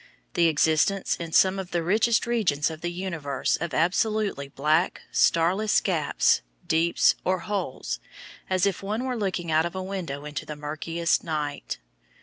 The existence in some of the richest regions of the universe of absolutely black, starless gaps, deeps, or holes, as if one were looking out of a window into the murkiest night.